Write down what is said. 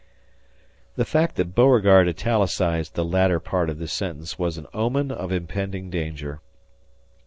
The fact that Beauregard italicized the latter part of this sentence was an omen of impending danger.